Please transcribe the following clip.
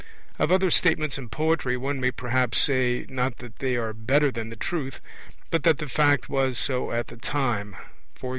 Of other statements in poetry one may perhaps say, not that they are better than the truth, but that the fact was so at the time; e.g.